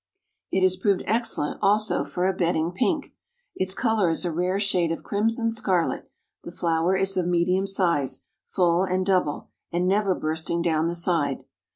It has proved excellent also for a bedding pink. Its color is a rare shade of crimson scarlet; the flower is of medium size, full and double, and never bursting down the side.